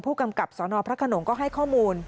ผู้กำกับสนพระขนงก็ให้ข้อมูล